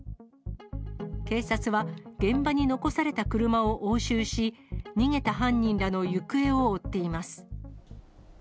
警察は現場に残された車を押収し、逃げた犯人らの行方を追っています。